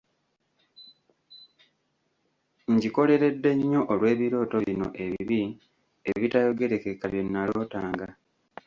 Ngikoleredde nnyo olw'ebirooto bino ebibi ebitayogerekeka bye nnalootanga.